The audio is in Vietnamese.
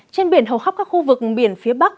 trên biển hầu khắp các khu vực biển phía bắc